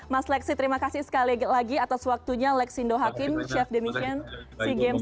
mas lexi terima kasih sekali lagi atas waktunya lexindo hakim chef demisian sea games dua ribu dua puluh tiga